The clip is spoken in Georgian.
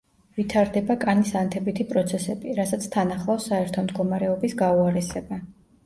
ვითარდება კანის ანთებითი პროცესები, რასაც თან ახლავს საერთო მდგომარეობის გაუარესება.